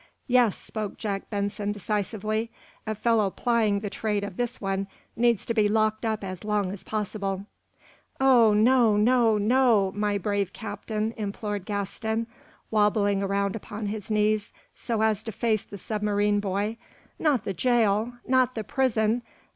"Yes," spoke Jack Benson, decisively. "A fellow plying the trade of this one needs to be locked up as long as possible." "Oh, no, no, no, my brave Captain!" implored Gaston, wobbling around upon his knees so as to face the submarine boy. "Not the jail! Not the prison!